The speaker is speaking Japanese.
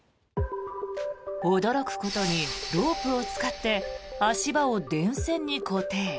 驚くことにロープを使って足場を電線に固定。